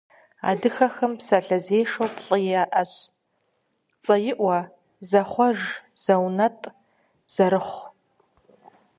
Адыгэбзэм псалъэзешэу плӏы иӏэщ: цӏэиӏуэ, зыхъуэж, зыунэтӏ, зэрыхъу.